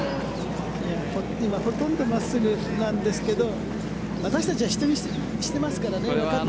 今、ほとんど真っすぐなんですけど私たちは知ってますからね。